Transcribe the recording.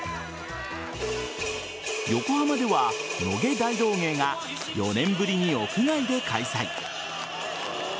横浜では野毛大道芸が４年ぶりに屋外で開催。